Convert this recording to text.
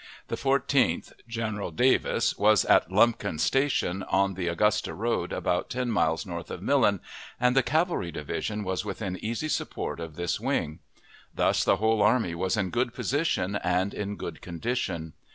The Fourteenth (General Davis) was at Lumpkin's Station, on the Augusta road, about ten miles north of Millen, and the cavalry division was within easy support of this wing. Thus the whole army was in good position and in good condition.